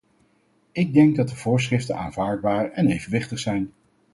Ik denk dat de voorschriften aanvaardbaar en evenwichtig zijn.